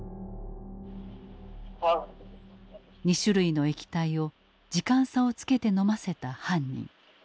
２種類の液体を時間差をつけて飲ませた犯人。